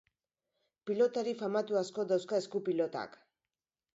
Pilotari famatu asko dauzka esku-pilotak.